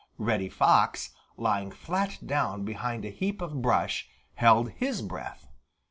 Reddy Fox, lying flat down behind a heap of brush, held his breath.